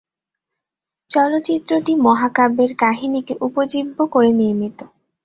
চলচ্চিত্রটি মহাকাব্যের কাহিনীকে উপজীব্য করে নির্মিত।